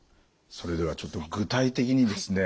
それではちょっと具体的にですね